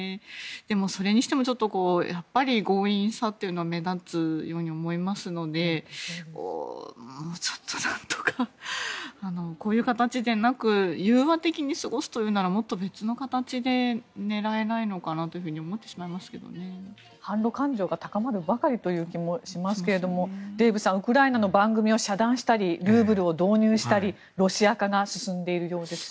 それにしても強引さというのは目立つように思いますのでもうちょっとなんとかこういう形でなく融和的に過ごすというならもっと別の形で狙えないのかなと反ロ感情が高まるばかりという気もしますけれどデーブさん、ウクライナの番組を遮断したりルーブルを導入したりロシア化が進んでいるようです。